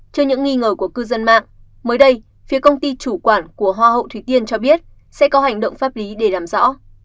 trước những nghi ngờ của cư dân mạng mới đây phía công ty chủ quản của hoa hậu thủy tiên cho biết sẽ có hành động pháp lý để làm rõ